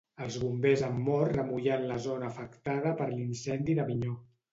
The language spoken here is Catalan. Els Bombers han mort remullant la zona afectada per l'incendi d'Avinyó.